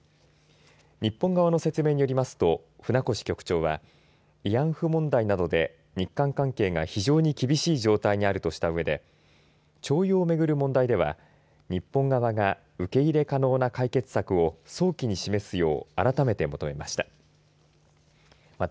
日本側の説明によりますと船越局長は慰安婦問題などで日韓関係が非常に厳しい状態にあるとしたうえで徴用をめぐる問題では日本側が受け入れ可能な解決策を早期に示すよう改めて求めました。